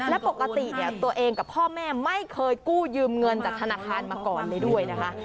และปกติเนี่ยตัวเองกับพ่อแม่ไม่เคยกู้ยืมเงินจากธนาคารมาก่อนเลยด้วยนะคะ